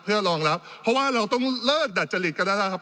เพื่อรองรับเพราะว่าเราต้องเลิกดัดจริตก็ได้นะครับ